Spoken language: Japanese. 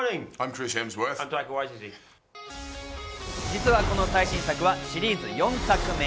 実はこの最新作はシリーズ４作目。